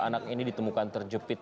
anak ini ditemukan terjepit